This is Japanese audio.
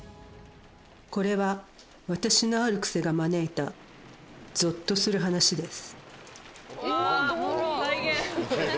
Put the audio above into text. これは私のある癖が招いたゾッとする話です